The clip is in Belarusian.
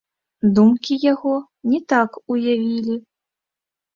Думкі яго не так уявілі.